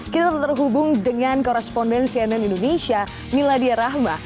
kita terhubung dengan koresponden cnn indonesia miladia rahma